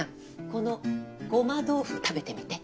このごま豆腐食べてみて。